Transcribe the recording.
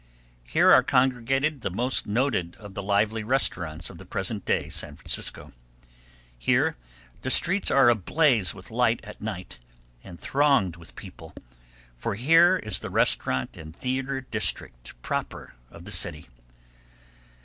Here are congregated the most noted of the lively restaurants of the present day San Francisco. Here the streets are ablaze with light at night, and thronged with people, for here is the restaurant and theatre district proper of the city.